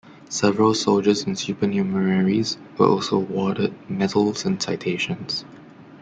Several soldiers and supernumeraries were also awarded medals and citations.